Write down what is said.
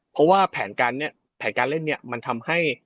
เพราะว่าแผนการเนี่ยแผนการเล่นเนี่ยมันทำให้